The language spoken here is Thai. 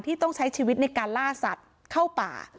ต้องใช้ชีวิตในการล่าสัตว์เข้าป่า